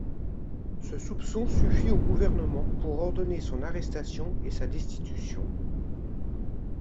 Ce soupçon suffit au gouvernement pour ordonner son arrestation et sa destitution.